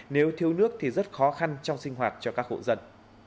nếu thiếu nước thì rất khó khăn trong sinh hoạt cho các hộ dân